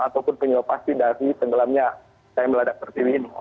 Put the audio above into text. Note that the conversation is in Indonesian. ataupun penyebab pasti dari tenggelamnya km beladang serpiwi